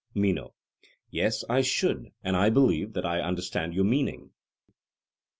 MENO: Yes, I should; and I believe that I understand your meaning.